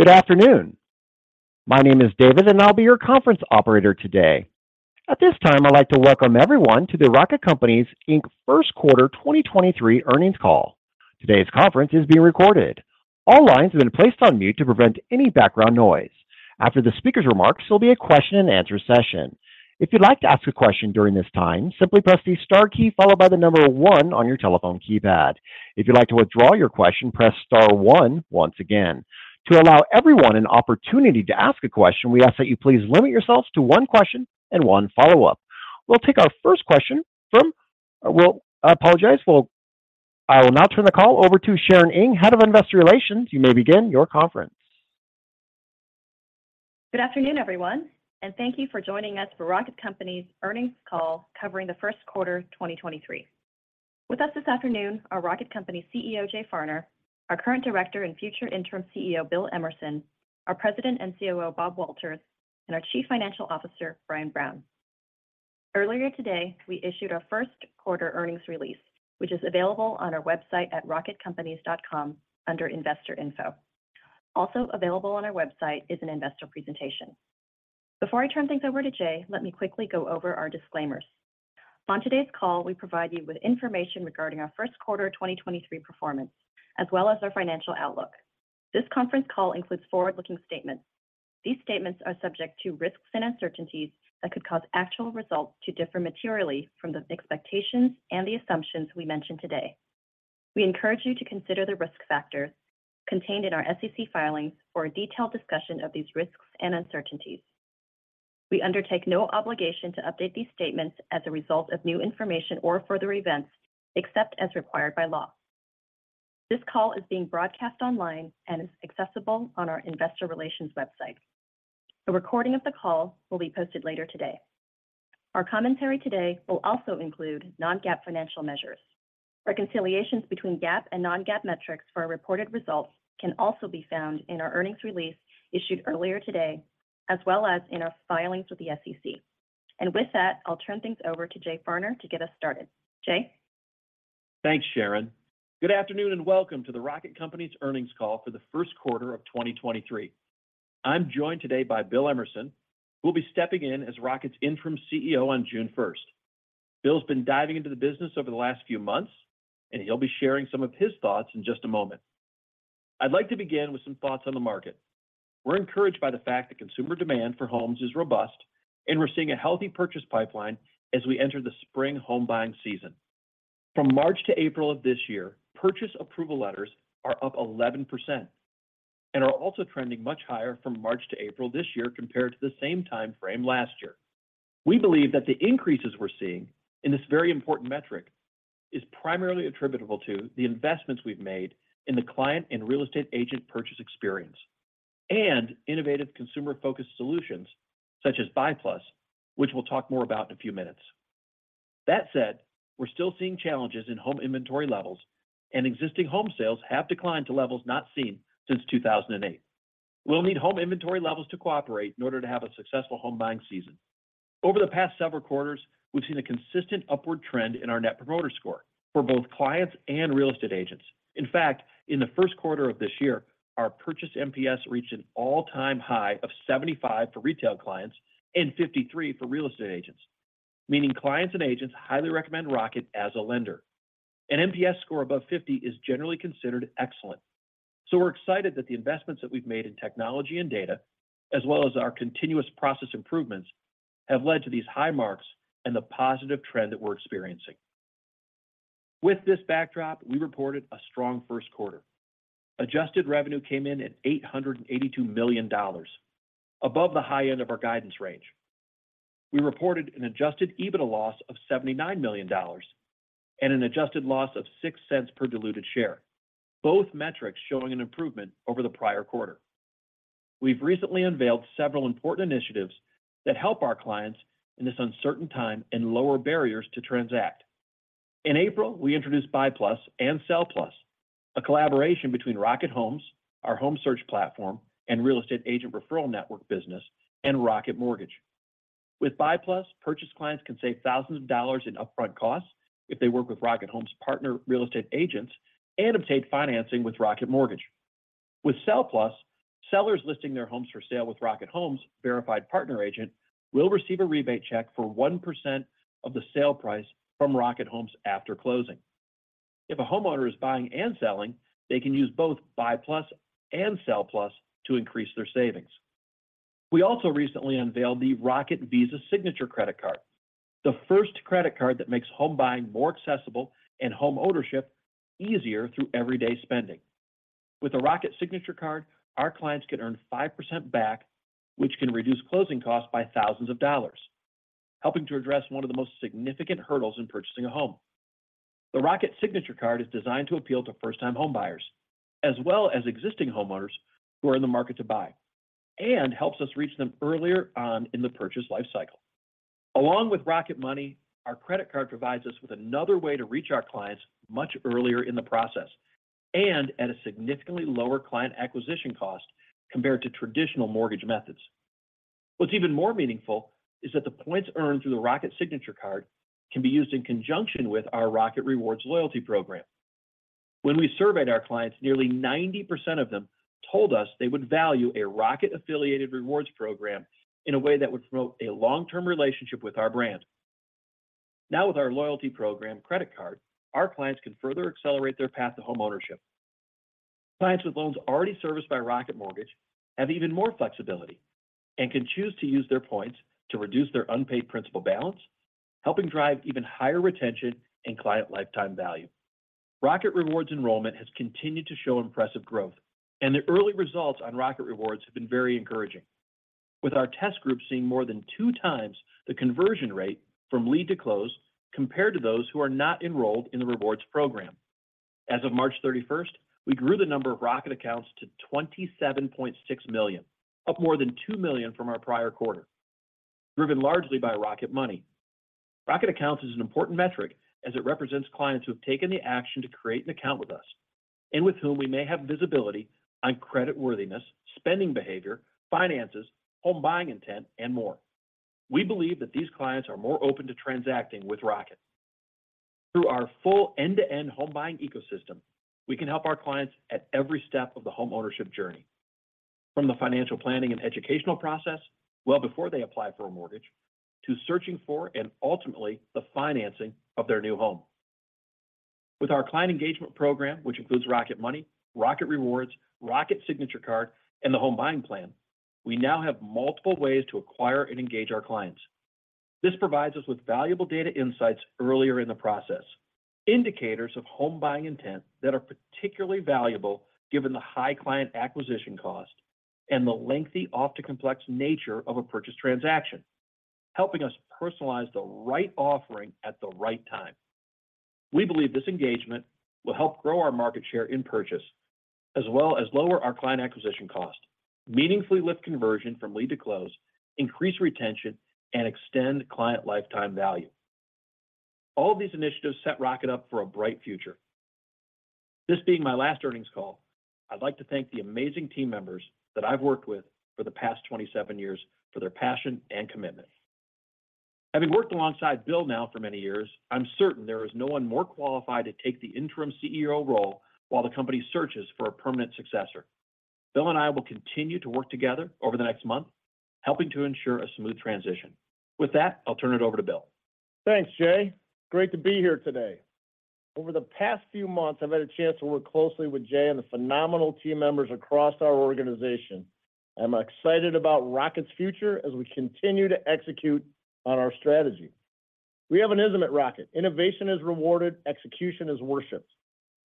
Good afternoon. My name is David, and I'll be your conference operator today. At this time, I'd like to welcome everyone to the Rocket Companies, Inc. first quarter 2023 earnings call. Today's conference is being recorded. All lines have been placed on mute to prevent any background noise. After the speaker's remarks, there'll be a question and answer session. If you'd like to ask a question during this time, simply press the star key followed by the 1 on your telephone keypad. If you'd like to withdraw your question, press star 1 once again. To allow everyone an opportunity to ask a question, we ask that you please limit yourselves to 1 question and 1 follow-up. We'll take our first question from... Well, I apologize. I will now turn the call over to Sharon Ng, Head of Investor Relations. You may begin your conference. Good afternoon, everyone, and thank you for joining us for Rocket Companies' earnings call covering the first quarter 2023. With us this afternoon are Rocket Companies CEO Jay Farner, our current Director and future interim CEO, Bill Emerson, our President and COO, Bob Walters, and our Chief Financial Officer, Brian Brown. Earlier today, we issued our first quarter earnings release, which is available on our website at rocketcompanies.com under Investor Info. Also available on our website is an investor presentation. Before I turn things over to Jay, let me quickly go over our disclaimers. On today's call, we provide you with information regarding our first quarter 2023 performance, as well as our financial outlook. This conference call includes forward-looking statements. These statements are subject to risks and uncertainties that could cause actual results to differ materially from the expectations and the assumptions we mention today. We encourage you to consider the risk factors contained in our SEC filings for a detailed discussion of these risks and uncertainties. We undertake no obligation to update these statements as a result of new information or further events except as required by law. This call is being broadcast online and is accessible on our investor relations website. A recording of the call will be posted later today. Our commentary today will also include non-GAAP financial measures. Reconciliations between GAAP and non-GAAP metrics for our reported results can also be found in our earnings release issued earlier today, as well as in our filings with the SEC. With that, I'll turn things over to Jay Farner to get us started. Jay? Thanks, Sharon. Good afternoon, and welcome to the Rocket Companies earnings call for the first quarter of 2023. I'm joined today by Bill Emerson, who will be stepping in as Rocket's interim CEO on June first. Bill's been diving into the business over the last few months, and he'll be sharing some of his thoughts in just a moment. I'd like to begin with some thoughts on the market. We're encouraged by the fact that consumer demand for homes is robust, and we're seeing a healthy purchase pipeline as we enter the spring home buying season. From March to April of this year, purchase approval letters are up 11% and are also trending much higher from March to April this year compared to the same timeframe last year. We believe that the increases we're seeing in this very important metric is primarily attributable to the investments we've made in the client and real estate agent purchase experience and innovative consumer-focused solutions such as BUY+, which we'll talk more about in a few minutes. That said, we're still seeing challenges in home inventory levels, and existing home sales have declined to levels not seen since 2008. We'll need home inventory levels to cooperate in order to have a successful home buying season. Over the past several quarters, we've seen a consistent upward trend in our Net Promoter Score for both clients and real estate agents. In fact, in the first quarter of this year, our purchase NPS reached an all-time high of 75 for retail clients and 53 for real estate agents, meaning clients and agents highly recommend Rocket as a lender. An NPS score above 50 is generally considered excellent. We're excited that the investments that we've made in technology and data, as well as our continuous process improvements, have led to these high marks and the positive trend that we're experiencing. With this backdrop, we reported a strong first quarter. Adjusted revenue came in at $882 million, above the high end of our guidance range. We reported an adjusted EBITDA loss of $79 million and an adjusted loss of $0.06 per diluted share, both metrics showing an improvement over the prior quarter. We've recently unveiled several important initiatives that help our clients in this uncertain time and lower barriers to transact. In April, we introduced BUY+ and SELL+, a collaboration between Rocket Homes, our home search platform and real estate agent referral network business, and Rocket Mortgage. With BUY+, purchase clients can save thousands of dollars in upfront costs if they work with Rocket Homes partner real estate agents and obtain financing with Rocket Mortgage. With SELL+, sellers listing their homes for sale with Rocket Homes Verified Partner Agent will receive a rebate check for 1% of the sale price from Rocket Homes after closing. If a homeowner is buying and selling, they can use both BUY+ and SELL+ to increase their savings. We also recently unveiled the Rocket Visa Signature Card, the first credit card that makes home buying more accessible and homeownership easier through everyday spending. With a Rocket Signature Card, our clients can earn 5% back, which can reduce closing costs by thousands of dollars, helping to address one of the most significant hurdles in purchasing a home. The Rocket Signature Card is designed to appeal to first-time home buyers as well as existing homeowners who are in the market to buy and helps us reach them earlier on in the purchase life cycle. Along with Rocket Money, our credit card provides us with another way to reach our clients much earlier in the process and at a significantly lower client acquisition cost compared to traditional mortgage methods. What's even more meaningful is that the points earned through the Rocket Signature Card can be used in conjunction with our Rocket Rewards loyalty program. When we surveyed our clients, nearly 90% of them told us they would value a Rocket-affiliated rewards program in a way that would promote a long-term relationship with our brand. Now, with our loyalty program credit card, our clients can further accelerate their path to homeownership. Clients with loans already serviced by Rocket Mortgage have even more flexibility and can choose to use their points to reduce their unpaid principal balance, helping drive even higher retention and client lifetime value. Rocket Rewards enrollment has continued to show impressive growth. The early results on Rocket Rewards have been very encouraging. With our test group seeing more than two times the conversion rate from lead to close compared to those who are not enrolled in the rewards program. As of March 31st, we grew the number of Rocket accounts to $27.6 million, up more than $2 million from our prior quarter, driven largely by Rocket Money. Rocket Accounts is an important metric as it represents clients who have taken the action to create an account with us and with whom we may have visibility on creditworthiness, spending behavior, finances, home buying intent, and more. We believe that these clients are more open to transacting with Rocket. Through our full end-to-end home buying ecosystem, we can help our clients at every step of the homeownership journey, from the financial planning and educational process well before they apply for a mortgage, to searching for and ultimately the financing of their new home. With our client engagement program, which includes Rocket Money, Rocket Rewards, Rocket Signature Card, and the Home Buying Plan, we now have multiple ways to acquire and engage our clients. This provides us with valuable data insights earlier in the process. Indicators of home buying intent that are particularly valuable given the high client acquisition cost and the lengthy, often complex nature of a purchase transaction, helping us personalize the right offering at the right time. We believe this engagement will help grow our market share in purchase as well as lower our client acquisition cost, meaningfully lift conversion from lead to close, increase retention, and extend client lifetime value. All of these initiatives set Rocket up for a bright future. This being my last earnings call, I'd like to thank the amazing team members that I've worked with for the past 27 years for their passion and commitment. Having worked alongside Bill now for many years, I'm certain there is no one more qualified to take the interim CEO role while the company searches for a permanent successor. Bill and I will continue to work together over the next month, helping to ensure a smooth transition. With that, I'll turn it over to Bill. Thanks, Jay. Great to be here today. Over the past few months, I've had a chance to work closely with Jay and the phenomenal team members across our organization. I'm excited about Rocket's future as we continue to execute on our strategy. We have an ism at Rocket. Innovation is rewarded, execution is worshipped.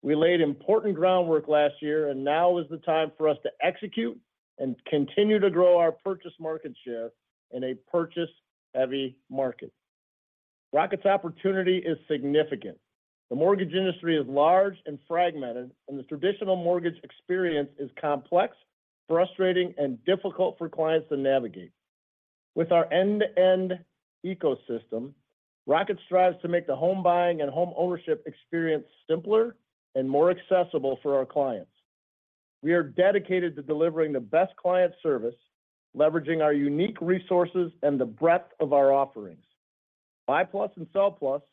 We laid important groundwork last year, and now is the time for us to execute and continue to grow our purchase market share in a purchase-heavy market. Rocket's opportunity is significant. The mortgage industry is large and fragmented, and the traditional mortgage experience is complex, frustrating, and difficult for clients to navigate. With our end-to-end ecosystem, Rocket strives to make the home buying and homeownership experience simpler and more accessible for our clients. We are dedicated to delivering the best client service, leveraging our unique resources and the breadth of our offerings. BUY+ and SELL+,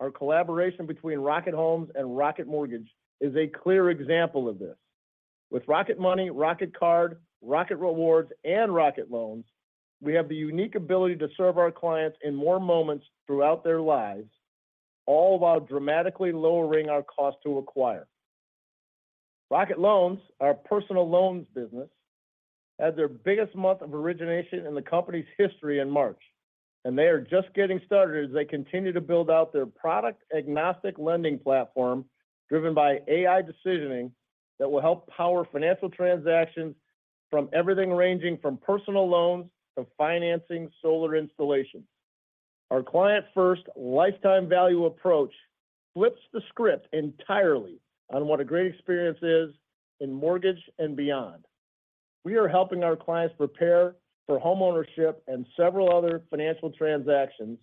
our collaboration between Rocket Homes and Rocket Mortgage, is a clear example of this. With Rocket Money, Rocket Card, Rocket Rewards, and Rocket Loans, we have the unique ability to serve our clients in more moments throughout their lives, all while dramatically lowering our cost to acquire. Rocket Loans, our personal loans business, had their biggest month of origination in the company's history in March. They are just getting started as they continue to build out their product-agnostic lending platform driven by AI decisioning that will help power financial transactions from everything ranging from personal loans to financing solar installations. Our client-first lifetime value approach flips the script entirely on what a great experience is in mortgage and beyond. We are helping our clients prepare for homeownership and several other financial transactions,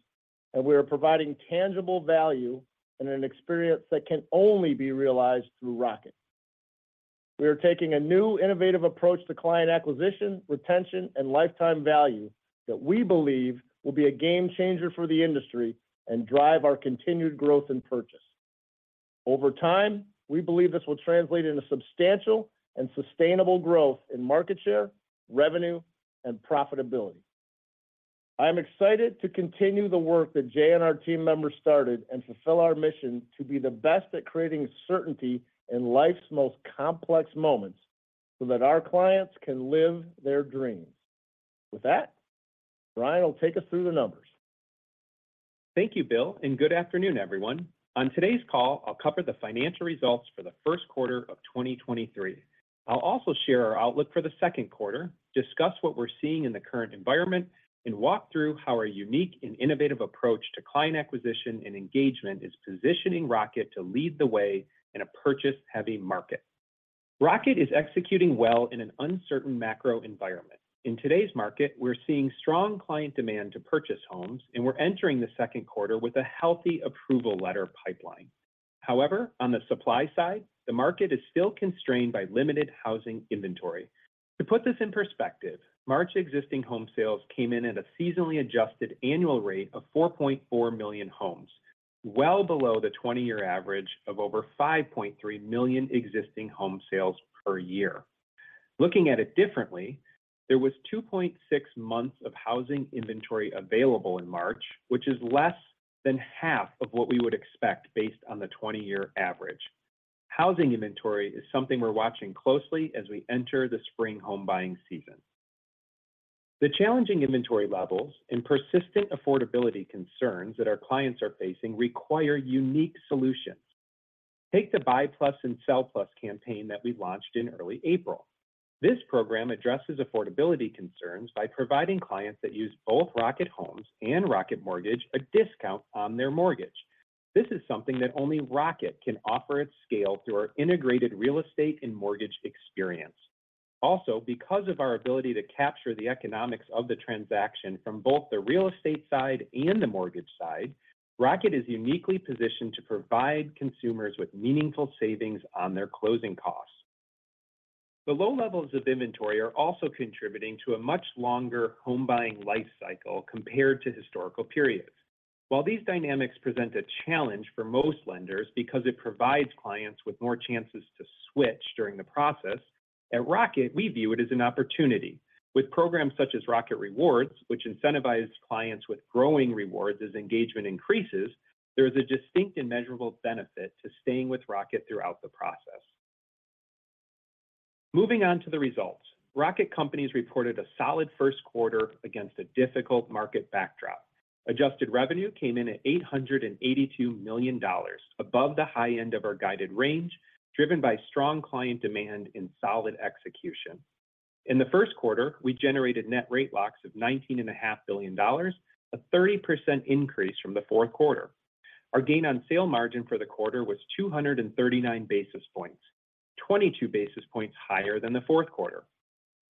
and we are providing tangible value in an experience that can only be realized through Rocket. We are taking a new, innovative approach to client acquisition, retention, and lifetime value that we believe will be a game changer for the industry and drive our continued growth and purchase. Over time, we believe this will translate into substantial and sustainable growth in market share, revenue, and profitability. I'm excited to continue the work that Jay and our team members started and fulfill our mission to be the best at creating certainty in life's most complex moments so that our clients can live their dreams. With that, Brian will take us through the numbers. Thank you, Bill. Good afternoon, everyone. On today's call, I'll cover the financial results for the first quarter of 2023. I'll also share our outlook for the second quarter, discuss what we're seeing in the current environment, and walk through how our unique and innovative approach to client acquisition and engagement is positioning Rocket to lead the way in a purchase-heavy market. Rocket is executing well in an uncertain macro environment. In today's market, we're seeing strong client demand to purchase homes. We're entering the second quarter with a healthy approval letter pipeline. On the supply side, the market is still constrained by limited housing inventory. To put this in perspective, March existing home sales came in at a seasonally adjusted annual rate of 4.4 million homes, well below the 20-year average of over 5.3 million existing home sales per year. Looking at it differently, there was 2.6 months of housing inventory available in March, which is less than half of what we would expect based on the 20-year average. Housing inventory is something we're watching closely as we enter the spring home buying season. The challenging inventory levels and persistent affordability concerns that our clients are facing require unique solutions. Take the BUY+ and SELL+ campaign that we launched in early April. This program addresses affordability concerns by providing clients that use both Rocket Homes and Rocket Mortgage a discount on their mortgage. This is something that only Rocket can offer at scale through our integrated real estate and mortgage experience. Because of our ability to capture the economics of the transaction from both the real estate side and the mortgage side, Rocket is uniquely positioned to provide consumers with meaningful savings on their closing costs. The low levels of inventory are also contributing to a much longer home buying life cycle compared to historical periods. While these dynamics present a challenge for most lenders because it provides clients with more chances to switch during the process, at Rocket, we view it as an opportunity. With programs such as Rocket Rewards, which incentivize clients with growing rewards as engagement increases, there is a distinct and measurable benefit to staying with Rocket throughout the process. Moving on to the results. Rocket Companies reported a solid first quarter against a difficult market backdrop. Adjusted revenue came in at $882 million, above the high end of our guided range, driven by strong client demand and solid execution. In the first quarter, we generated net rate locks of $19.5 billion, a 30% increase from the fourth quarter. Our gain on sale margin for the quarter was 239 basis points, 22 basis points higher than the fourth quarter.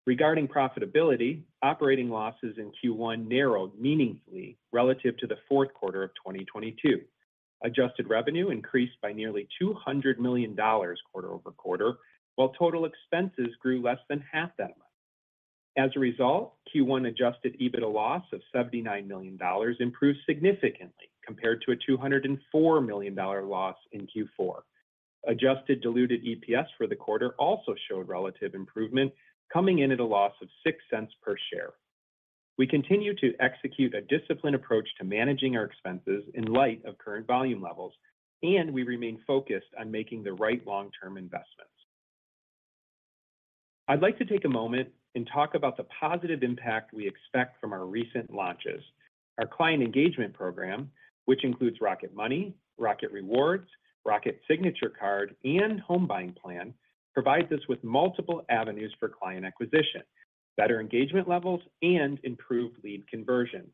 Regarding profitability, operating losses in Q1 narrowed meaningfully relative to the fourth quarter of 2022. Adjusted revenue increased by nearly $200 million quarter-over-quarter, while total expenses grew less than half that much. As a result, Q1 adjusted EBITDA loss of $79 million improved significantly compared to a $204 million loss in Q4. Adjusted diluted EPS for the quarter also showed relative improvement, coming in at a loss of $0.06 per share. We continue to execute a disciplined approach to managing our expenses in light of current volume levels, and we remain focused on making the right long-term investments. I'd like to take a moment and talk about the positive impact we expect from our recent launches. Our client engagement program, which includes Rocket Money, Rocket Rewards, Rocket Signature Card, and Home Buying Plan, provides us with multiple avenues for client acquisition, better engagement levels, and improved lead conversion.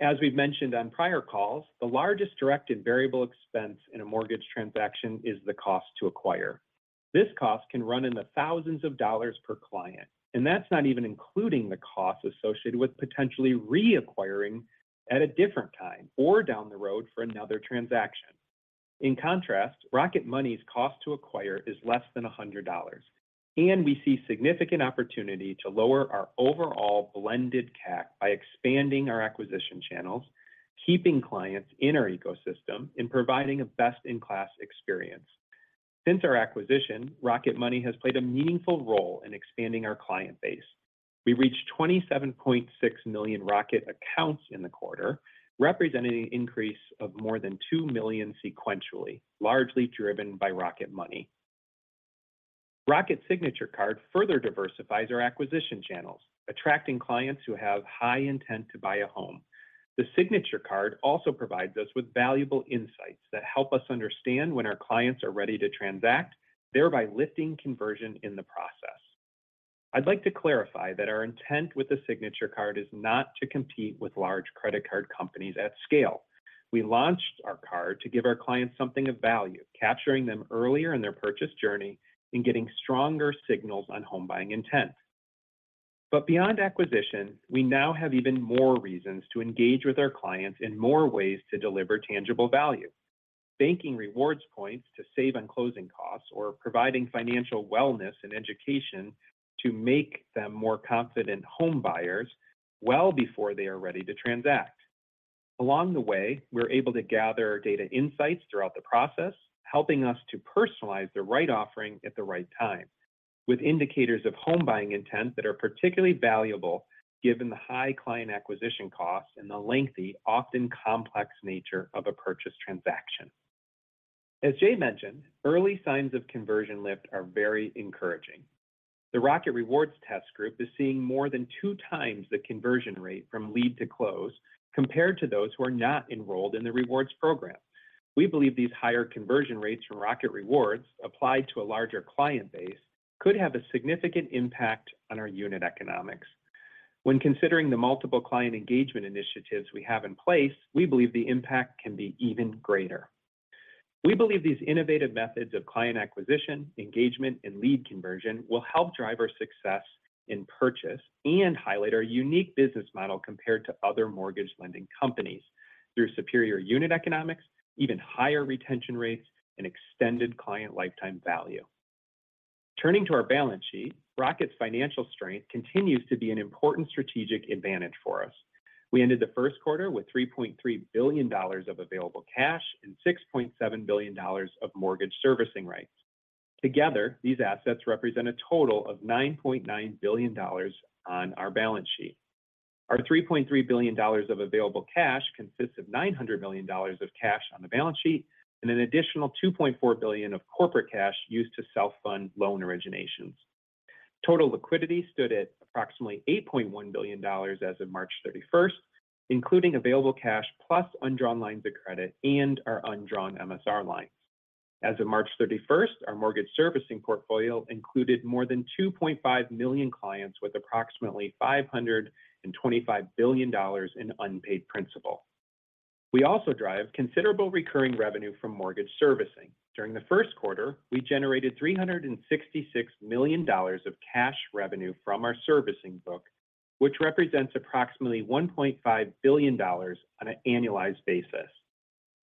As we've mentioned on prior calls, the largest direct and variable expense in a mortgage transaction is the cost to acquire. This cost can run in the thousands of dollars per client, that's not even including the cost associated with potentially reacquiring at a different time or down the road for another transaction. In contrast, Rocket Money's cost to acquire is less than $100, we see significant opportunity to lower our overall blended CAC by expanding our acquisition channels, keeping clients in our ecosystem, and providing a best-in-class experience. Since our acquisition, Rocket Money has played a meaningful role in expanding our client base. We reached 27.6 million Rocket Accounts in the quarter, representing an increase of more than 2 million sequentially, largely driven by Rocket Money. Rocket Signature Card further diversifies our acquisition channels, attracting clients who have high intent to buy a home. The Signature Card also provides us with valuable insights that help us understand when our clients are ready to transact, thereby lifting conversion in the process. I'd like to clarify that our intent with the Signature Card is not to compete with large credit card companies at scale. We launched our card to give our clients something of value, capturing them earlier in their purchase journey and getting stronger signals on home buying intent. Beyond acquisition, we now have even more reasons to engage with our clients in more ways to deliver tangible value. Banking rewards points to save on closing costs or providing financial wellness and education to make them more confident home buyers well before they are ready to transact. Along the way, we're able to gather data insights throughout the process, helping us to personalize the right offering at the right time, with indicators of home buying intent that are particularly valuable given the high client acquisition costs and the lengthy, often complex nature of a purchase transaction. As Jay mentioned, early signs of conversion lift are very encouraging. The Rocket Rewards test group is seeing more than two times the conversion rate from lead to close compared to those who are not enrolled in the rewards program. We believe these higher conversion rates from Rocket Rewards applied to a larger client base could have a significant impact on our unit economics. When considering the multiple client engagement initiatives we have in place, we believe the impact can be even greater. We believe these innovative methods of client acquisition, engagement, and lead conversion will help drive our success in purchase and highlight our unique business model compared to other mortgage lending companies through superior unit economics, even higher retention rates, and extended client lifetime value. Turning to our balance sheet, Rocket's financial strength continues to be an important strategic advantage for us. We ended the first quarter with $3.3 billion of available cash and $6.7 billion of mortgage servicing rights. Together, these assets represent a total of $9.9 billion on our balance sheet. Our $3.3 billion of available cash consists of $900 million of cash on the balance sheet and an additional $2.4 billion of corporate cash used to self-fund loan originations. Total liquidity stood at approximately $8.1 billion as of March 31st, including available cash plus undrawn lines of credit and our undrawn MSR line. As of March 31st, our mortgage servicing portfolio included more than 2.5 million clients with approximately $525 billion in unpaid principal. We also drive considerable recurring revenue from mortgage servicing. During the first quarter, we generated $366 million of cash revenue from our servicing book, which represents approximately $1.5 billion on an annualized basis.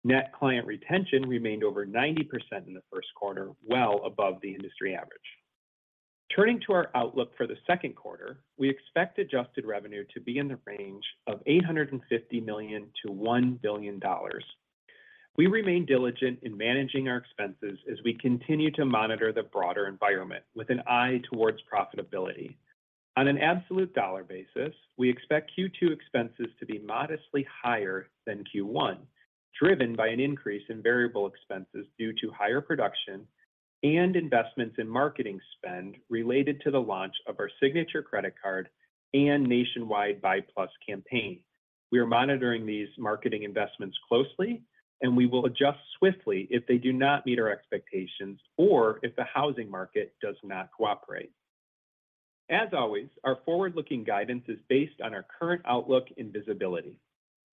Net client retention remained over 90% in the first quarter, well above the industry average. Turning to our outlook for the second quarter, we expect adjusted revenue to be in the range of $850 million-$1 billion. We remain diligent in managing our expenses as we continue to monitor the broader environment with an eye towards profitability. On an absolute dollar basis, we expect Q2 expenses to be modestly higher than Q1, driven by an increase in variable expenses due to higher production and investments in marketing spend related to the launch of our Signature Credit Card and nationwide BUY+ campaign. We are monitoring these marketing investments closely, and we will adjust swiftly if they do not meet our expectations or if the housing market does not cooperate. As always, our forward-looking guidance is based on our current outlook and visibility.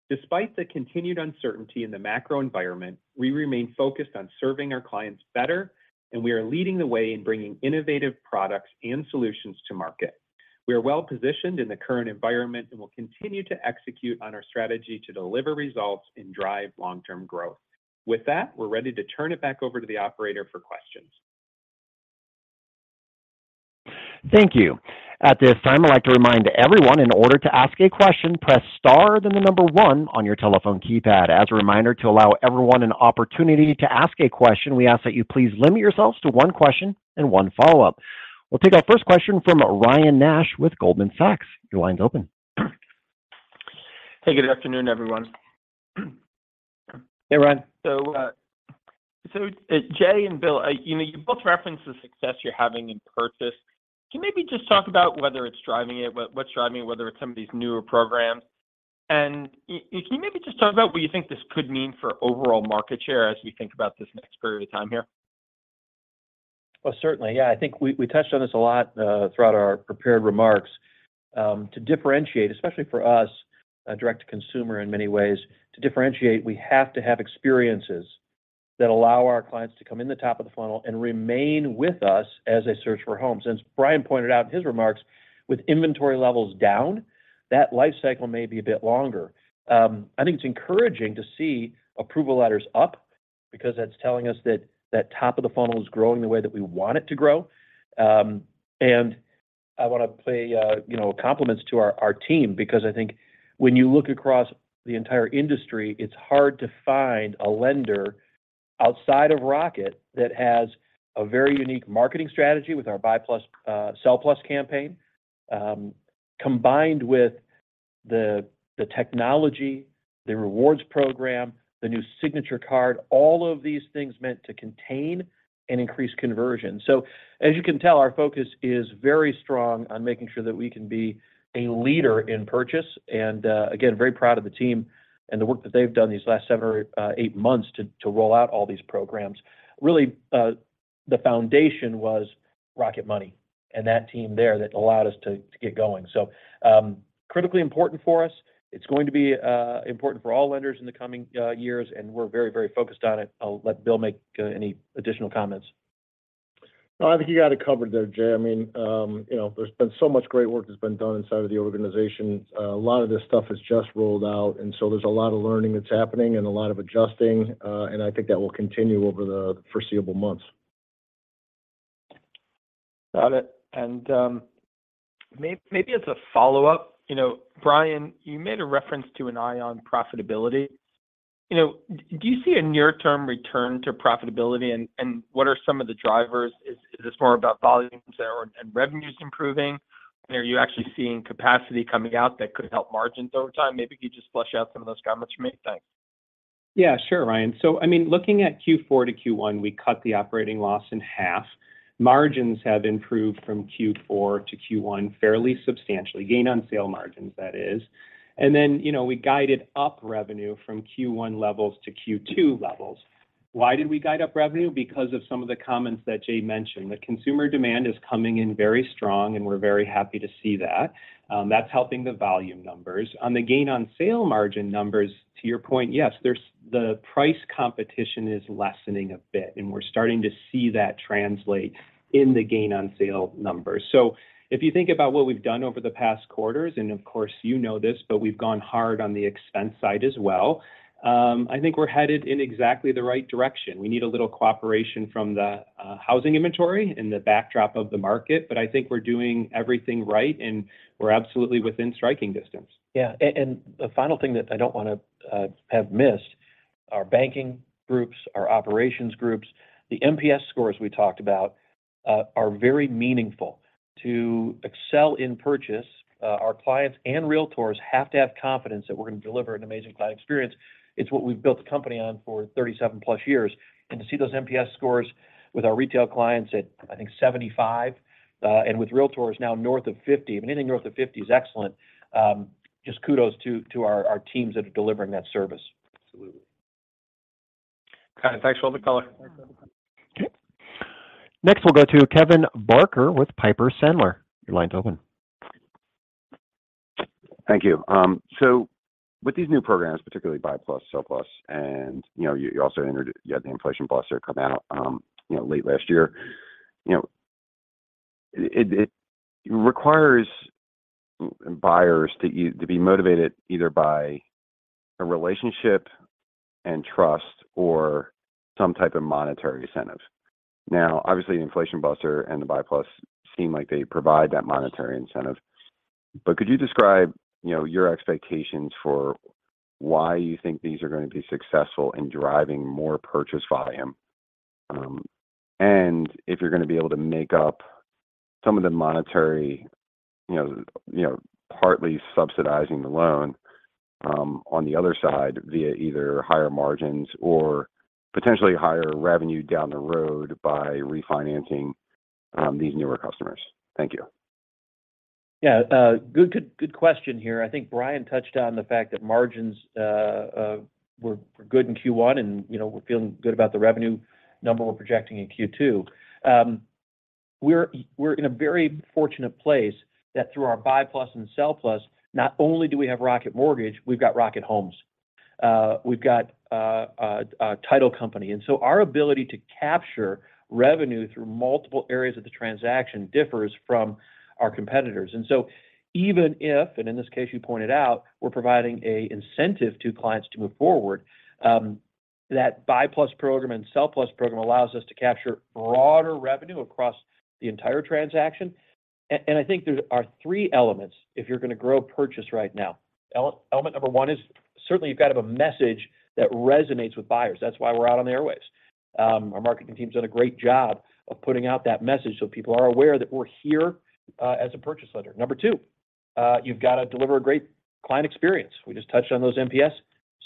Despite the continued uncertainty in the macro environment, we remain focused on serving our clients better, and we are leading the way in bringing innovative products and solutions to market. We are well-positioned in the current environment and will continue to execute on our strategy to deliver results and drive long-term growth. With that, we're ready to turn it back over to the operator for questions. Thank you. At this time, I'd like to remind everyone in order to ask a question, press star then the number one on your telephone keypad. As a reminder to allow everyone an opportunity to ask a question, we ask that you please limit yourselves to one question and one follow-up. We'll take our first question from Ryan Nash with Goldman Sachs. Your line's open. Hey, good afternoon, everyone. Hey, Ryan. Jay and Bill, you know, you both referenced the success you're having in purchase. Can you maybe just talk about whether it's driving it, what's driving it, whether it's some of these newer programs? Can you maybe just talk about what you think this could mean for overall market share as we think about this next period of time here? Oh, certainly, yeah. I think we touched on this a lot throughout our prepared remarks. To differentiate, especially for us, a direct-to-consumer in many ways, to differentiate, we have to have experiences that allow our clients to come in the top of the funnel and remain with us as they search for homes. As Brian pointed out in his remarks, with inventory levels down, that life cycle may be a bit longer. I think it's encouraging to see approval letters up because that's telling us that that top of the funnel is growing the way that we want it to grow. I want to pay, you know, compliments to our team because I think when you look across the entire industry, it's hard to find a lender outside of Rocket that has a very unique marketing strategy with our BUY+ SELL+ campaign, combined with the technology, the rewards program, the new signature card, all of these things meant to contain and increase conversion. As you can tell, our focus is very strong on making sure that we can be a leader in purchase. Again, very proud of the team and the work that they've done these last seven or eight months to roll out all these programs. Really, the foundation was Rocket Money and that team there that allowed us to get going. Critically important for us. It's going to be important for all lenders in the coming years. We're very, very focused on it. I'll let Bill make any additional comments. No, I think you got it covered there, Jay. I mean, you know, there's been so much great work that's been done inside of the organization. A lot of this stuff has just rolled out. There's a lot of learning that's happening and a lot of adjusting. I think that will continue over the foreseeable months. Got it. Maybe as a follow-up, you know, Brian, you made a reference to an eye on profitability. You know, do you see a near-term return to profitability? What are some of the drivers? Is this more about volumes there and revenues improving? Are you actually seeing capacity coming out that could help margins over time? Maybe you could just flesh out some of those comments for me. Thanks. Yeah, sure, Ryan. I mean, looking at Q4 to Q1, we cut the operating loss in half. Margins have improved from Q4 to Q1 fairly substantially, gain on sale margins, that is. Then, you know, we guided up revenue from Q1 levels to Q2 levels. Why did we guide up revenue? Because of some of the comments that Jay mentioned. The consumer demand is coming in very strong, and we're very happy to see that. That's helping the volume numbers. On the gain on sale margin numbers, to your point, yes, the price competition is lessening a bit, and we're starting to see that translate in the gain on sale numbers. If you think about what we've done over the past quarters, and of course, you know this, but we've gone hard on the expense side as well. I think we're headed in exactly the right direction. We need a little cooperation from the housing inventory and the backdrop of the market, but I think we're doing everything right, and we're absolutely within striking distance. Yeah. The final thing that I don't want to have missed, our banking groups, our operations groups, the NPS scores we talked about. are very meaningful. To excel in purchase, our clients and realtors have to have confidence that we're gonna deliver an amazing client experience. It's what we've built the company on for 37-plus years. To see those NPS scores with our retail clients at, I think, 75, and with realtors now north of 50, anything north of 50 is excellent, just kudos to our teams that are delivering that service. Absolutely. Kind of thanks for all the color. Okay. Next we'll go to Kevin Barker with Piper Sandler. Your line's open. Thank you. With these new programs, particularly BUY+, SELL+, and, you know, you also had the Inflation Buster come out, you know, late last year. You know, it requires buyers to be motivated either by a relationship and trust or some type of monetary incentive. Now, obviously, the Inflation Buster and the BUY+ seem like they provide that monetary incentive. Could you describe, you know, your expectations for why you think these are going to be successful in driving more purchase volume, and if you're gonna be able to make up some of the monetary, you know, partly subsidizing the loan, on the other side via either higher margins or potentially higher revenue down the road by refinancing, these newer customers? Thank you. Yeah, good question here. I think Brian touched on the fact that margins were good in Q1, and, you know, we're feeling good about the revenue number we're projecting in Q2. We're in a very fortunate place that through our BUY+ and SELL+ not only do we have Rocket Mortgage, we've got Rocket Homes. We've got a title company. Our ability to capture revenue through multiple areas of the transaction differs from our competitors. Even if, and in this case you pointed out, we're providing an incentive to clients to move forward, that BUY+ program and SELL+ program allows us to capture broader revenue across the entire transaction. I think there are three elements if you're going to grow purchase right now. element number one is certainly you've got to have a message that resonates with buyers. That's why we're out on the airwaves. Our marketing team's done a great job of putting out that message, so people are aware that we're here as a purchase lender. Number two, you've got to deliver a great client experience. We just touched on those NPS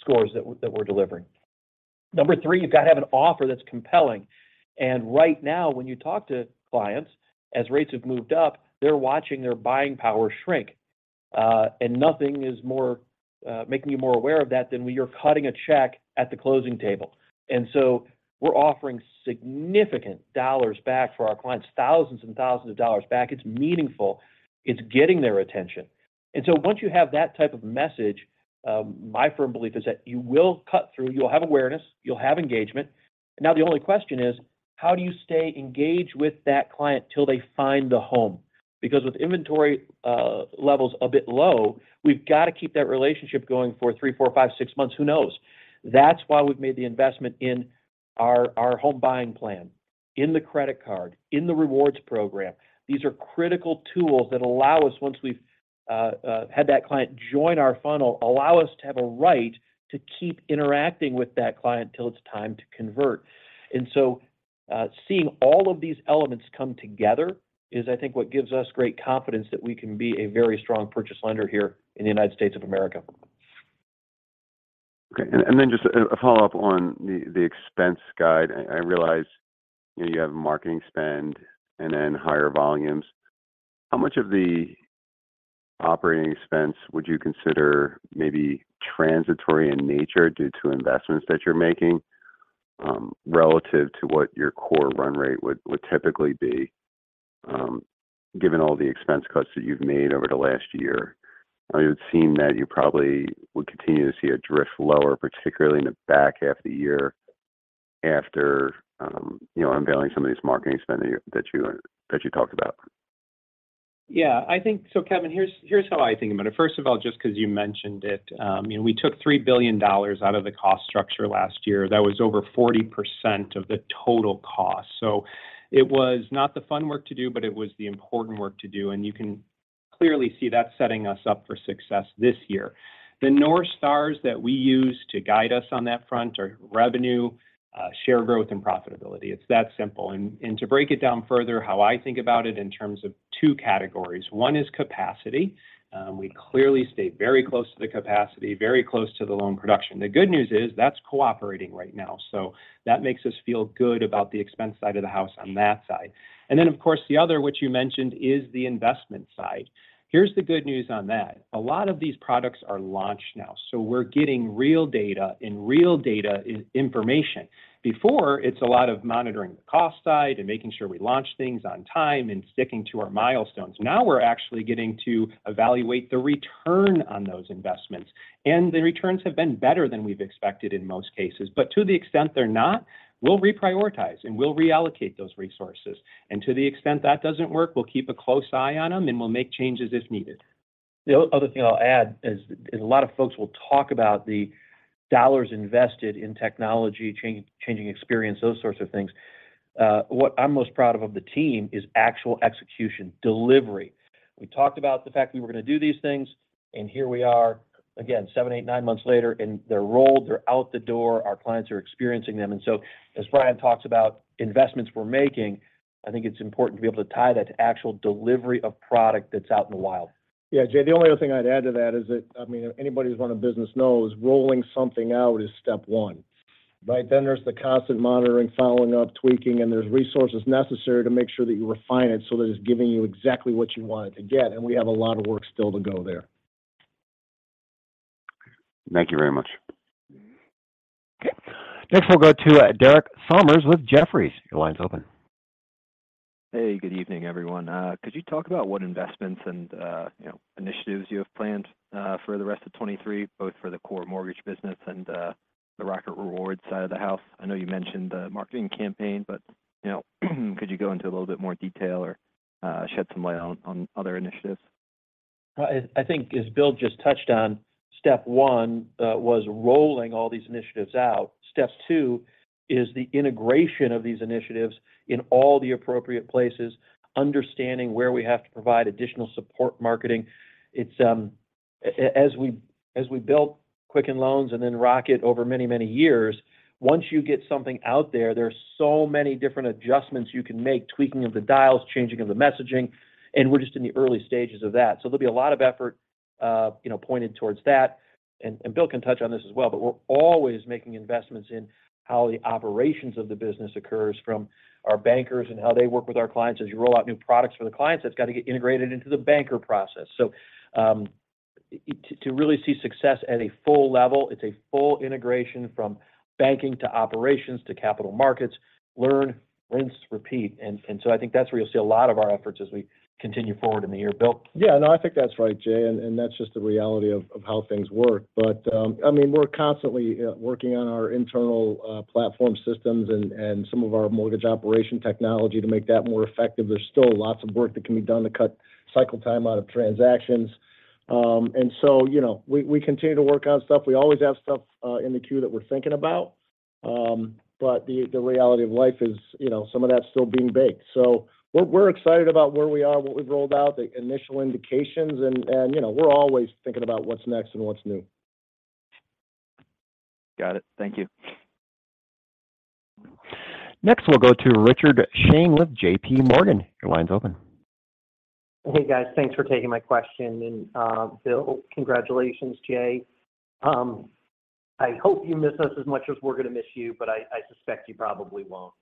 scores that we're delivering. Number three, you've got to have an offer that's compelling. Right now, when you talk to clients, as rates have moved up, they're watching their buying power shrink. Nothing is more making you more aware of that than when you're cutting a check at the closing table. We're offering significant dollars back for our clients, thousands and thousands of dollars back. It's meaningful. It's getting their attention. Once you have that type of message, my firm belief is that you will cut through. You'll have awareness. You'll have engagement. Now, the only question is, how do you stay engaged with that client till they find the home? Because with inventory levels a bit low, we've got to keep that relationship going for three, four, five, six months. Who knows? That's why we've made the investment in our Home Buying Plan, in the credit card, in the rewards program. These are critical tools that allow us, once we've had that client join our funnel, allow us to have a right to keep interacting with that client until it's time to convert. Seeing all of these elements come together is I think what gives us great confidence that we can be a very strong purchase lender here in the United States of America. Okay. Then just a follow-up on the expense guide. I realize, you know, you have marketing spend and then higher volumes. How much of the operating expense would you consider maybe transitory in nature due to investments that you're making, relative to what your core run rate would typically be, given all the expense cuts that you've made over the last year? I mean, it would seem that you probably would continue to see it drift lower, particularly in the back half of the year after, you know, unveiling some of these marketing spend that you, that you talked about. Yeah, Kevin, here's how I think about it. First of all, just 'cause you mentioned it, you know, we took $3 billion out of the cost structure last year. That was over 40% of the total cost. It was not the fun work to do, but it was the important work to do. You can clearly see that's setting us up for success this year. The North Stars that we use to guide us on that front are revenue, share growth, and profitability. It's that simple. To break it down further, how I think about it in terms of two categories. One is capacity. We clearly stay very close to the capacity, very close to the loan production. The good news is that's cooperating right now. That makes us feel good about the expense side of the house on that side. Then of course, the other which you mentioned is the investment side. Here's the good news on that. A lot of these products are launched now, so we're getting real data and real data information. Before, it's a lot of monitoring the cost side and making sure we launch things on time and sticking to our milestones. Now we're actually getting to evaluate the return on those investments, and the returns have been better than we've expected in most cases. To the extent they're not, we'll reprioritize, and we'll reallocate those resources. To the extent that doesn't work, we'll keep a close eye on them, and we'll make changes if needed. The other thing I'll add is a lot of folks will talk about the dollars invested in technology changing experience, those sorts of things. What I'm most proud of the team is actual execution, delivery. We talked about the fact that we were going to do these things. Here we are again seven, eight, nine months later, and they're rolled, they're out the door, our clients are experiencing them. As Brian talks about investments we're making, I think it's important to be able to tie that to actual delivery of product that's out in the wild. Yeah. Jay, the only other thing I'd add to that is that, I mean, anybody who's run a business knows rolling something out is step one, right? There's the constant monitoring, following up, tweaking, and there's resources necessary to make sure that you refine it so that it's giving you exactly what you want it to get. We have a lot of work still to go there. Thank you very much. Okay. Next we'll go to Kyle Joseph with Jefferies. Your line's open. Hey, good evening, everyone. Could you talk about what investments and, you know, initiatives you have planned for the rest of 23, both for the core mortgage business and the Rocket Rewards side of the house? I know you mentioned the marketing campaign, but, you know, could you go into a little bit more detail or shed some light on other initiatives? I think as Bill just touched on, step one, was rolling all these initiatives out. Step two is the integration of these initiatives in all the appropriate places, understanding where we have to provide additional support marketing. It's As we built Quicken Loans and then Rocket over many, many years, once you get something out there are so many different adjustments you can make, tweaking of the dials, changing of the messaging, and we're just in the early stages of that. There'll be a lot of effort, you know, pointed towards that. Bill can touch on this as well, we're always making investments in how the operations of the business occurs from our bankers and how they work with our clients. As you roll out new products for the clients, that's got to get integrated into the banker process. To really see success at a full level, it's a full integration from banking to operations to capital markets. Learn, rinse, repeat. I think that's where you'll see a lot of our efforts as we continue forward in the year. Bill? Yeah. No, I think that's right, Jay, and that's just the reality of how things work. I mean, we're constantly working on our internal platform systems and some of our mortgage operation technology to make that more effective. There's still lots of work that can be done to cut cycle time out of transactions. You know, we continue to work on stuff. We always have stuff in the queue that we're thinking about. The reality of life is, you know, some of that's still being baked. We're excited about where we are, what we've rolled out, the initial indications and, you know, we're always thinking about what's next and what's new. Got it. Thank you. Next we'll go to Richard Shane with JPMorgan. Your line's open. Hey, guys. Thanks for taking my question. Bill, congratulations. Jay, I hope you miss us as much as we're gonna miss you, but I suspect you probably won't.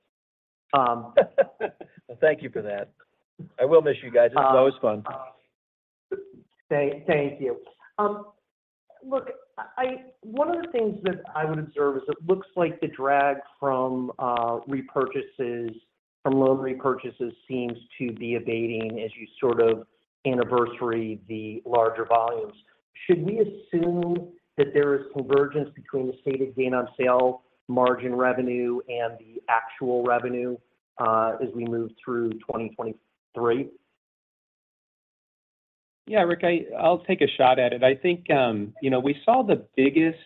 Thank you for that. I will miss you guys. It's always fun. Thank you. Look, one of the things that I would observe is it looks like the drag from repurchases, from loan repurchases seems to be abating as you sort of anniversary the larger volumes. Should we assume that there is convergence between the stated gain on sale margin revenue and the actual revenue as we move through 2023? Yeah. Rick, I'll take a shot at it. I think, you know, we saw the biggest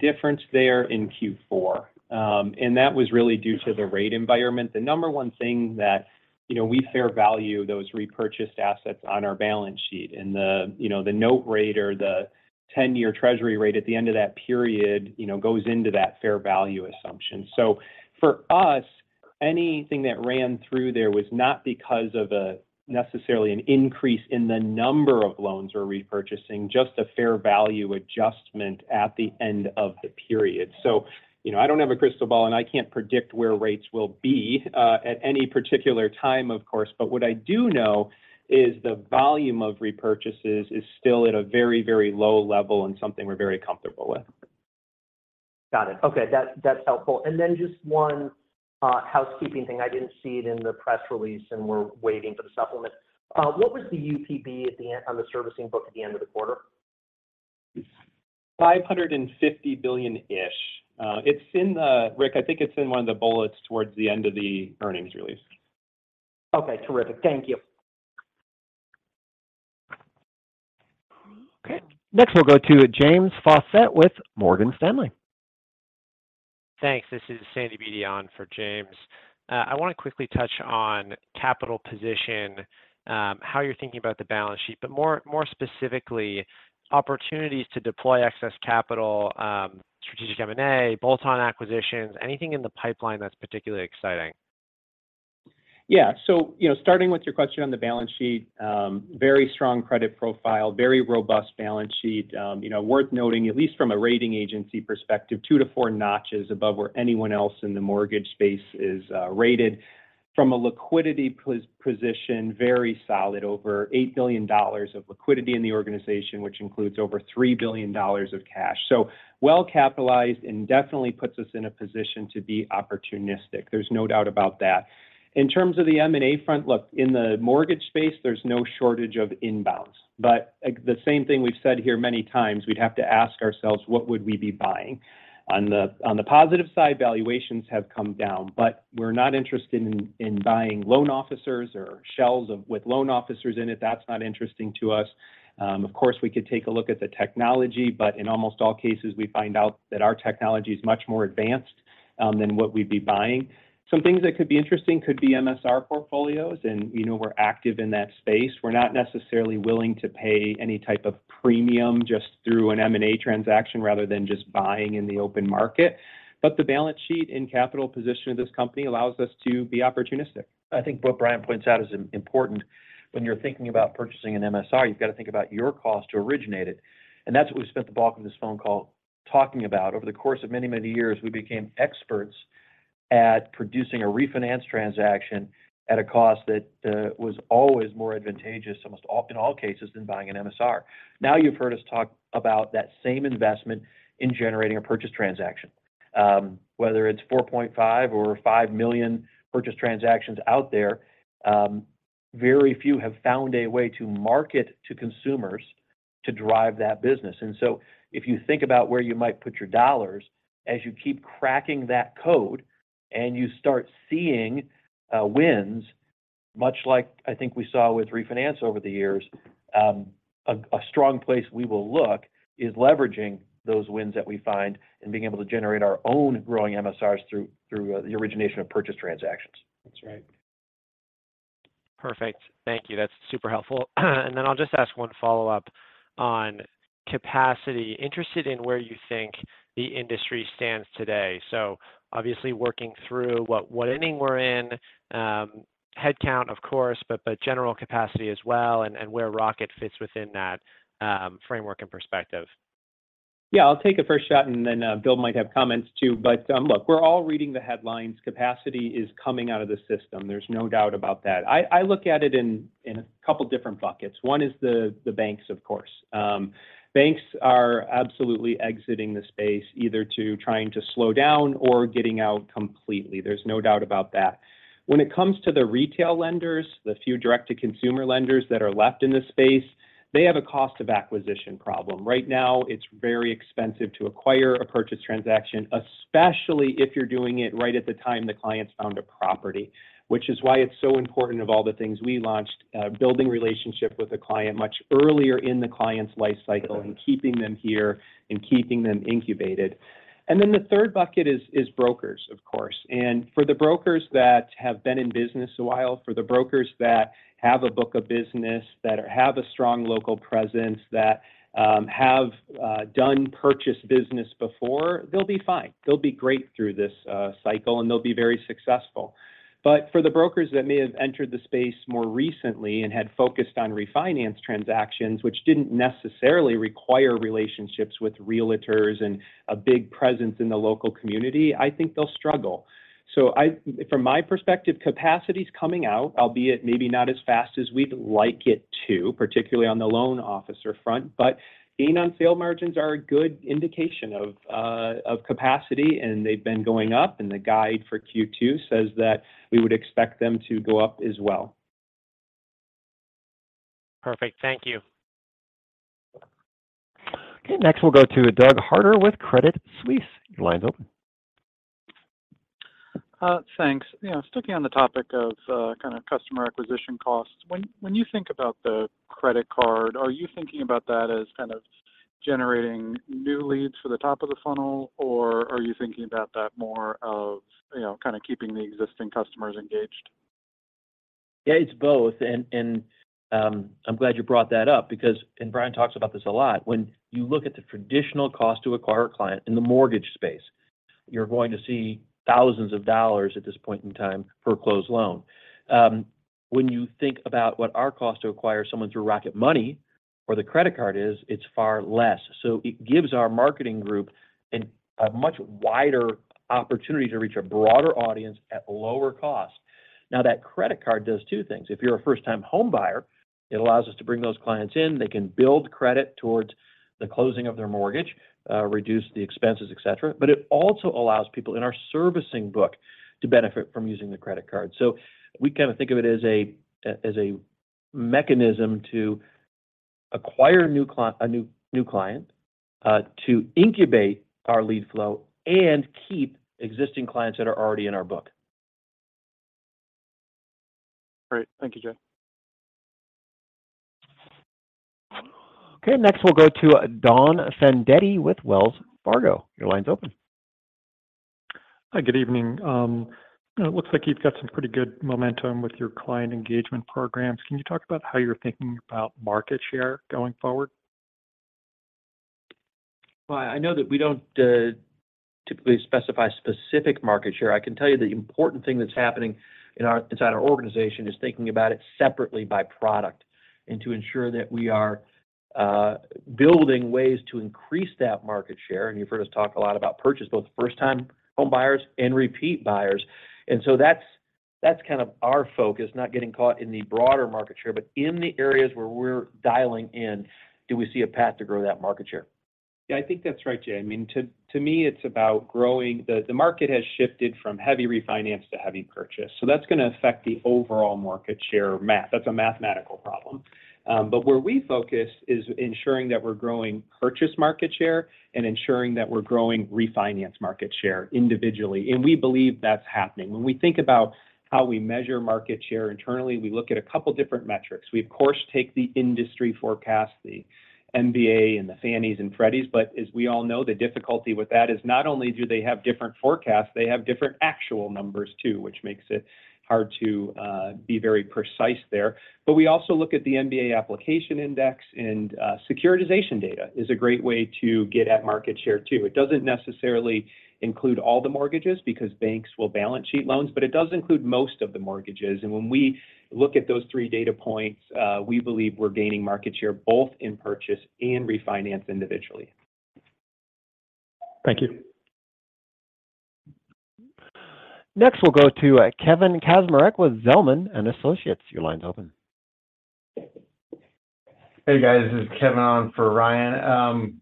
difference there in Q4. That was really due to the rate environment. You know, we fair value those repurchased assets on our balance sheet and the note rate or the 10-year treasury rate at the end of that period, you know, goes into that fair value assumption. For us, anything that ran through there was not because of a necessarily an increase in the number of loans we're repurchasing, just a fair value adjustment at the end of the period. You know, I don't have a crystal ball, and I can't predict where rates will be at any particular time, of course, but what I do know is the volume of repurchases is still at a very, very low level and something we're very comfortable with. Got it. Okay. That's helpful. Then just one housekeeping thing. I didn't see it in the press release, and we're waiting for the supplement. What was the UPB at the end on the servicing book at the end of the quarter? $550 billion-ish. Rick, I think it's in one of the bullets towards the end of the earnings release. Okay. Terrific. Thank you. Okay. Next we'll go to James Faucette with Morgan Stanley. Thanks. This is Sandy Beatty for James. I wanna quickly touch on capital position, how you're thinking about the balance sheet, but more specifically, opportunities to deploy excess capital, strategic M&A, bolt-on acquisitions, anything in the pipeline that's particularly exciting. Yeah. you know, starting with your question on the balance sheet, very strong credit profile, very robust balance sheet. you know, worth noting, at least from a rating agency perspective, two to four notches above where anyone else in the mortgage space is rated. From a liquidity position, very solid. Over $8 billion of liquidity in the organization, which includes over $3 billion of cash. Well-capitalized and definitely puts us in a position to be opportunistic. There's no doubt about that. In terms of the M&A front, look, in the mortgage space, there's no shortage of inbounds. like the same thing we've said here many times, we'd have to ask ourselves, what would we be buying? On the positive side, valuations have come down. We're not interested in buying loan officers or shells with loan officers in it. That's not interesting to us. Of course, we could take a look at the technology. In almost all cases, we find out that our technology is much more advanced than what we'd be buying. Some things that could be interesting could be MSR portfolios, you know we're active in that space. We're not necessarily willing to pay any type of premium just through an M&A transaction rather than just buying in the open market. The balance sheet and capital position of this company allows us to be opportunistic. I think what Brian points out is important when you're thinking about purchasing an MSR. You've got to think about your cost to originate it, and that's what we spent the bulk of this phone call talking about. Over the course of many, many years, we became experts at producing a refinance transaction at a cost that was always more advantageous almost in all cases than buying an MSR. Now, you've heard us talk about that same investment in generating a purchase transaction. Whether it's 4.5 million or five million purchase transactions out there, very few have found a way to market to consumers to drive that business. If you think about where you might put your dollars as you keep cracking that code, and you start seeing wins, much like I think we saw with refinance over the years, a strong place we will look is leveraging those wins that we find and being able to generate our own growing MSRs through the origination of purchase transactions. That's right. Perfect. Thank you. That's super helpful. Then I'll just ask one follow-up on capacity. Interested in where you think the industry stands today. Obviously working through what inning we're in, head count, of course, but general capacity as well, and where Rocket fits within that framework and perspective. I'll take a first shot, then Bill might have comments too. Look, we're all reading the headlines. Capacity is coming out of the system. There's no doubt about that. I look at it in a couple different buckets. One is the banks, of course. Banks are absolutely exiting the space, either to trying to slow down or getting out completely. There's no doubt about that. When it comes to the retail lenders, the few direct-to-consumer lenders that are left in this space, they have a cost of acquisition problem. Right now, it's very expensive to acquire a purchase transaction, especially if you're doing it right at the time the client's found a property. It's so important of all the things we launched, building relationship with a client much earlier in the client's life cycle and keeping them here and keeping them incubated. The third bucket is brokers, of course. For the brokers that have been in business a while, for the brokers that have a book of business, that have a strong local presence, that have done purchase business before, they'll be fine. They'll be great through this cycle, and they'll be very successful. For the brokers that may have entered the space more recently and had focused on refinance transactions, which didn't necessarily require relationships with realtors and a big presence in the local community, I think they'll struggle. From my perspective, capacity's coming out, albeit maybe not as fast as we'd like it to, particularly on the loan officer front. Gain on sale margins are a good indication of capacity, and they've been going up, and the guide for Q2 says that we would expect them to go up as well. Perfect. Thank you. Okay, next we'll go to Douglas Harter with Credit Suisse. Your line's open. Thanks. You know, sticking on the topic of, kind of customer acquisition costs, when you think about the credit card, are you thinking about that as kind of generating new leads for the top of the funnel, or are you thinking about that more of, you know, kind of keeping the existing customers engaged? Yeah, it's both. I'm glad you brought that up because Brian talks about this a lot, when you look at the traditional cost to acquire a client in the mortgage space, you're going to see thousands of dollars at this point in time per closed loan. When you think about what our cost to acquire someone through Rocket Money or the credit card is, it's far less. It gives our marketing group a much wider opportunity to reach a broader audience at lower cost. That credit card does two things. If you're a first-time homebuyer, it allows us to bring those clients in. They can build credit towards the closing of their mortgage, reduce the expenses, et cetera. It also allows people in our servicing book to benefit from using the credit card. We kind of think of it as a, as a mechanism to acquire a new client, to incubate our lead flow, and keep existing clients that are already in our book. Great. Thank you, Jay. Okay, next we'll go to Donald Fandetti with Wells Fargo. Your line's open. Hi. Good evening. It looks like you've got some pretty good momentum with your client engagement programs. Can you talk about how you're thinking about market share going forward? Well, I know that we don't typically specify specific market share. I can tell you the important thing that's happening inside our organization is thinking about it separately by product and to ensure that we are building ways to increase that market share. You've heard us talk a lot about purchase, both first-time home buyers and repeat buyers. That's kind of our focus, not getting caught in the broader market share, but in the areas where we're dialing in, do we see a path to grow that market share? Yeah, I think that's right, Jay. I mean, to me it's about growing. The, the market has shifted from heavy refinance to heavy purchase, so that's gonna affect the overall market share math. That's a mathematical problem. Where we focus is ensuring that we're growing purchase market share and ensuring that we're growing refinance market share individually, and we believe that's happening. When we think about how we measure market share internally, we look at a couple different metrics. We of course take the industry forecast, the MBA, and the Fannies and Freddies. As we all know, the difficulty with that is not only do they have different forecasts, they have different actual numbers too, which makes it hard to be very precise there. We also look at the MBA application index, and securitization data is a great way to get at market share too. It doesn't necessarily include all the mortgages because banks will balance sheet loans, but it does include most of the mortgages. When we look at those three data points, we believe we're gaining market share both in purchase and refinance individually. Thank you. We'll go to Kevin Kaczmarek with Zelman & Associates. Your line's open. Hey, guys. This is Kevin on for Ryan.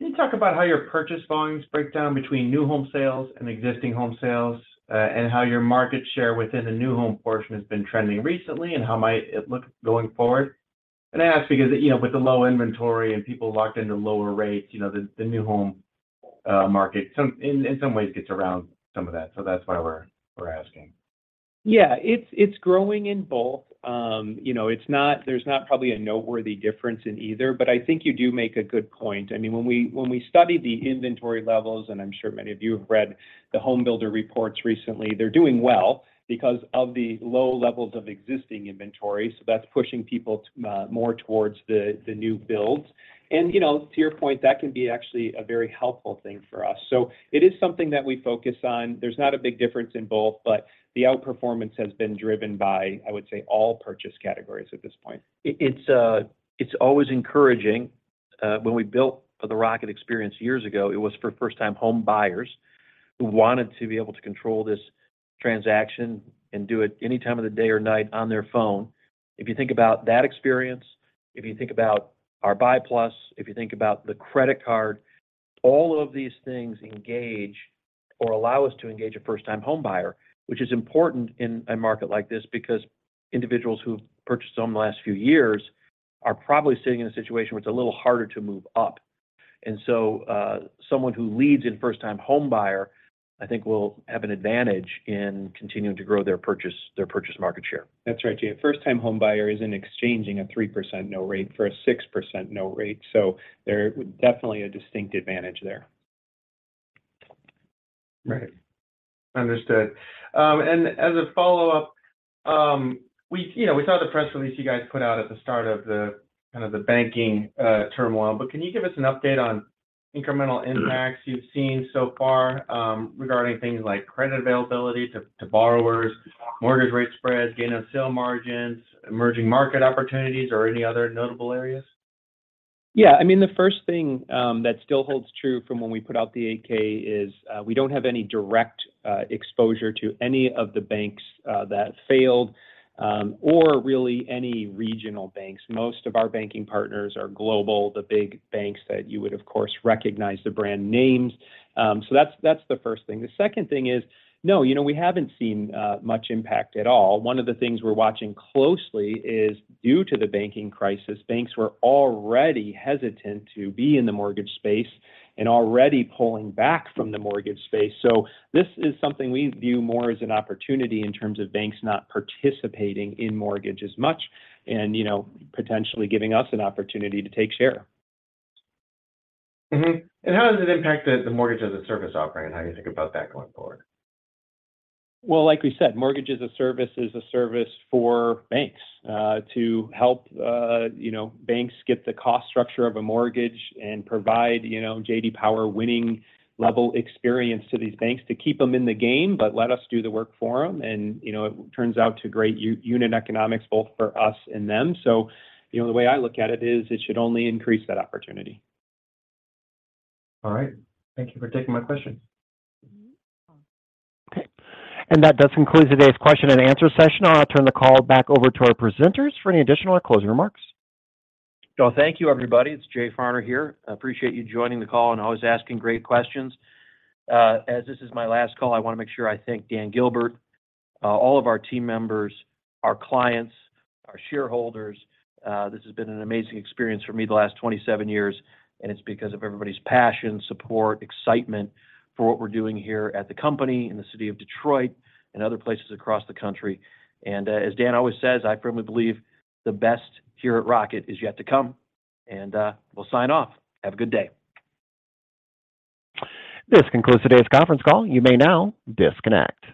Can you talk about how your purchase volumes break down between new home sales and existing home sales, and how your market share within the new home portion has been trending recently, and how might it look going forward? I ask because, you know, with the low inventory and people locked into lower rates, you know, the new home market in some ways gets around some of that. That's why we're asking. Yeah. It's, it's growing in both. You know, it's not, there's not probably a noteworthy difference in either, but I think you do make a good point. I mean, when we, when we study the inventory levels, and I'm sure many of you have read the home builder reports recently, they're doing well because of the low levels of existing inventory, so that's pushing people more towards the new builds. You know, to your point, that can be actually a very helpful thing for us. It is something that we focus on. There's not a big difference in both, but the outperformance has been driven by, I would say, all purchase categories at this point. It's always encouraging. When we built the Rocket experience years ago, it was for first-time home buyers who wanted to be able to control this transaction and do it any time of the day or night on their phone. If you think about that experience, if you think about our BUY+, if you think about the credit card, all of these things engage or allow us to engage a first-time home buyer, which is important in a market like this because individuals who've purchased home the last few years are probably sitting in a situation where it's a little harder to move up. Someone who leads in first-time home buyer, I think, will have an advantage in continuing to grow their purchase market share. That's right, Jay. A first-time home buyer isn't exchanging a 3% note rate for a 6% note rate. There would definitely a distinct advantage there. Right. Understood. As a follow-up, we, you know, we saw the press release you guys put out at the start of the kind of the banking turmoil, can you give us an update on incremental impacts you've seen so far, regarding things like credit availability to borrowers, mortgage rate spreads, gain on sale margins, emerging market opportunities, or any other notable areas? I mean, the first thing that still holds true from when we put out the eight-K is we don't have any direct exposure to any of the banks that failed or really any regional banks. Most of our banking partners are global, the big banks that you would, of course, recognize the brand names. That's the first thing. The second thing is, no, you know, we haven't seen much impact at all. One of the things we're watching closely is due to the banking crisis, banks were already hesitant to be in the mortgage space and already pulling back from the mortgage space. This is something we view more as an opportunity in terms of banks not participating in mortgage as much and, you know, potentially giving us an opportunity to take share. Mm-hmm. How does it impact the mortgage-as-a-service offering? How do you think about that going forward? Well, like we said, mortgage-as-a-service is a service for banks, to help, you know, banks get the cost structure of a mortgage and provide, you know, J.D. Power winning level experience to these banks to keep them in the game. Let us do the work for them and, you know, it turns out to great unit economics both for us and them. You know, the way I look at it is it should only increase that opportunity. All right. Thank you for taking my question. Okay, that does conclude today's question and answer session. I'll turn the call back over to our presenters for any additional or closing remarks. Thank you, everybody. It's Jay Farner here. I appreciate you joining the call and always asking great questions. As this is my last call, I wanna make sure I thank Dan Gilbert, all of our team members, our clients, our shareholders. This has been an amazing experience for me the last 27 years, and it's because of everybody's passion, support, excitement for what we're doing here at the company, in the city of Detroit, and other places across the country. As Dan always says, I firmly believe the best here at Rocket is yet to come. We'll sign off. Have a good day. This concludes today's conference call. You may now disconnect.